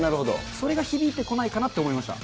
それが響いてこないかなと思いました。